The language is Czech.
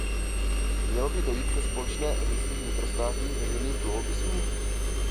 Mělo by dojít ke společné emisi vnitrostátních veřejných dluhopisů?